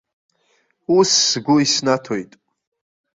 Ус сгәы иснаҭоит.